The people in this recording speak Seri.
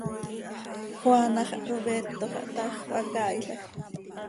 Juana xah, Roberto xah, taax cöhacaailajc.